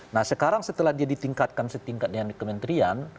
nah sekarang setelah dia ditingkatkan setingkat dengan kementerian